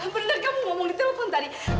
benar kamu ngomong di telepon tadi